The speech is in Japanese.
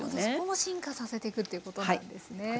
そこも進化させていくっていうことなんですね。